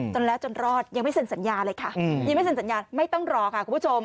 จนแล้วจนรอดยังไม่เซ็นสัญญาเลยค่ะยังไม่เซ็นสัญญาไม่ต้องรอค่ะคุณผู้ชม